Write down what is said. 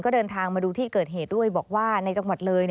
ก็เดินทางมาดูที่เกิดเหตุด้วยบอกว่าในจังหวัดเลย